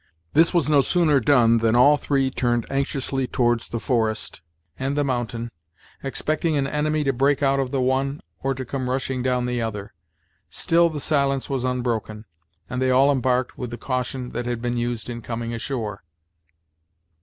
This was no sooner done, than all three turned anxiously towards the forest and the mountain, expecting an enemy to break out of the one, or to come rushing down the other. Still the silence was unbroken, and they all embarked with the caution that had been used in coming ashore.